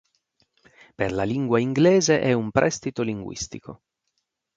Per la lingua inglese è un prestito linguistico.